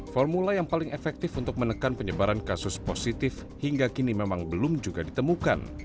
formula yang paling efektif untuk menekan penyebaran kasus positif hingga kini memang belum juga ditemukan